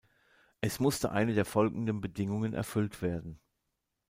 Es musste eine der folgenden Bedingungen erfüllt werden.